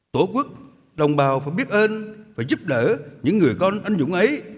tổ quốc đồng bào phải biết ơn và giúp đỡ những người con anh dũng ấy